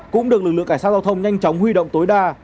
cũng được lực lượng cảnh sát giao thông nhanh chóng huy động tối đa